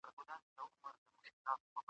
نه یوازي چي راویښ کړل.